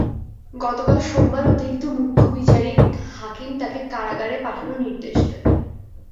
গতকাল সোমবার অতিরিক্ত মুখ্য বিচারিক হাকিম তাঁকে কারাগারে পাঠানোর নির্দেশ দেন।